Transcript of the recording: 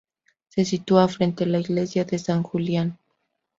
Se sitúa frente la Iglesia de San Julián.